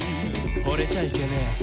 「ほれちゃいけねえ」